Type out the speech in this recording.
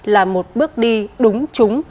là một bước đi đúng trúng